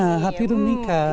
nah hati itu menikah